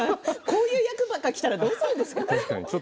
こういう役またきたらどうするんですか。